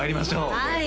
はい